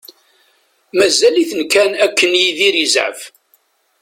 Mazal-iten kan akken Yidir yezɛef.